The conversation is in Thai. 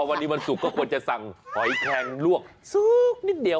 วันนี้วันศุกร์ก็ควรจะสั่งหอยแคงลวกซุกนิดเดียว